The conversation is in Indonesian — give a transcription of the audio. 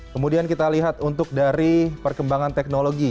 kemudian kita lihat untuk dari perkembangan teknologi